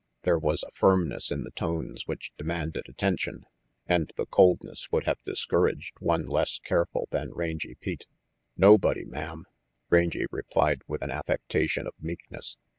There was a firmness in the tones which demanded attention, and the coldness would have discouraged one less careless than Rangy Pete. "Nobody, Ma'am," Rangy replied, with an affectation of meekness.